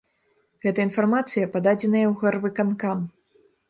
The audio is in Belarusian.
Гэта інфармацыя пададзеная ў гарвыканкам.